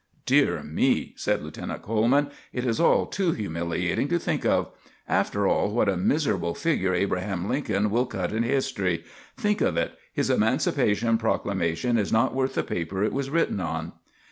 "Dear me!" said Lieutenant Coleman; "it is all too humiliating to think of. After all, what a miserable figure Abraham Lincoln will cut in history! Think of it! His Emancipation Proclamation is not worth the paper it was written on!"